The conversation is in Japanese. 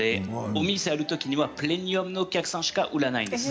お店にあるときにはプレミアムなお客様にしか売らないんです。